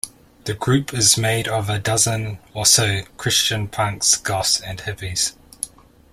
The group is made of a dozen or so Christian punks, goths and hippies.